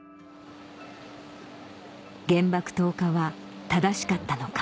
原爆投下は正しかったのか？